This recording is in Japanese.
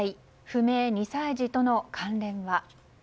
不明２歳児との関連は。